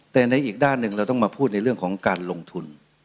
แต่ในอีกด้านหนึ่งเราต้องมาพูดในเรื่องของการลงทุน